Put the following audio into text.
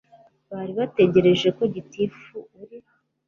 bari bategereje ko gitifu uri